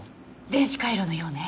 電子回路のようね。